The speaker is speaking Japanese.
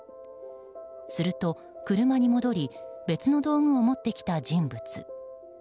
すると車に戻り別の道具を持ってきた人物。